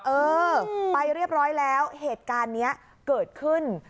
เออไปเรียบร้อยแล้วเหตุการณ์นี้เกิดขึ้น